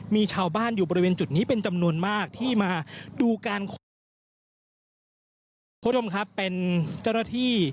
มีชาวบ้านอยู่บริเวณจุดนี้เป็นจำนวนมากที่มาดูการค้นหาคุณผู้ชมครับเป็นเจ้าหน้าที่